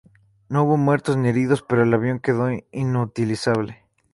No hubo muertos ni heridos, pero el avión quedó inutilizable.